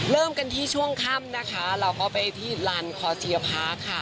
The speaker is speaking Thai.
เริ่มกันที่ช่วงค่ำนะคะเราก็ไปที่ลานคอเซียพาร์คค่ะ